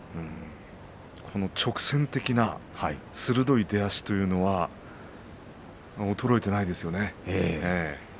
直線的な鋭い出足というのは衰えていないですよね。